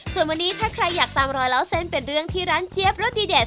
ส่วนวันนี้ถ้าใครอยากตามรอยเล่าเส้นเป็นเรื่องที่ร้านเจี๊ยบรสดีเดช